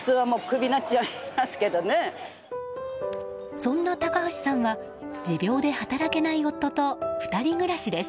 そんな高橋さんは持病で働けない夫と２人暮らしです。